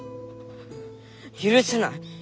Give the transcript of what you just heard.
許せない！